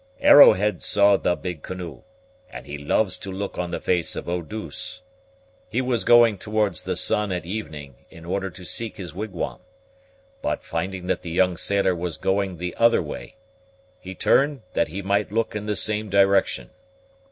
"Arrowhead saw the big canoe, and he loves to look on the face of Eau douce. He was going towards the sun at evening in order to seek his wigwam; but, finding that the young sailor was going the other way, he turned that he might look in the same direction.